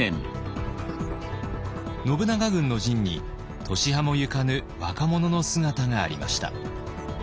信長軍の陣に年端も行かぬ若者の姿がありました。